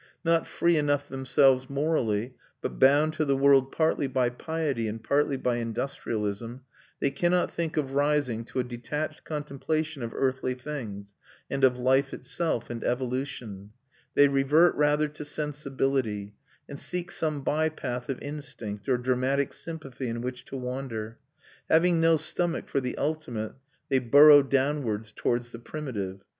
Not free enough themselves morally, but bound to the world partly by piety and partly by industrialism, they cannot think of rising to a detached contemplation of earthly things, and of life itself and evolution; they revert rather to sensibility, and seek some by path of instinct or dramatic sympathy in which to wander. Having no stomach for the ultimate, they burrow downwards towards the primitive.